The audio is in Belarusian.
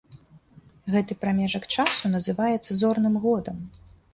Гэты прамежак часу называецца зорным годам.